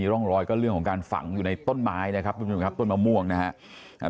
ร่องรอยก็เรื่องของการฝังอยู่ในต้นไม้นะครับทุกผู้ชมครับต้นมะม่วงนะครับ